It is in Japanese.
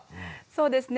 そうですね